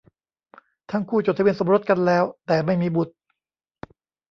ทั้งคู่จดทะเบียนสมรสกันแล้ว แต่ไม่มีบุตร